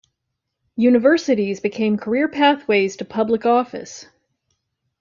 Universities became career pathways to public office.